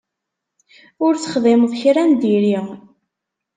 Ur texdimeḍ kra n diri.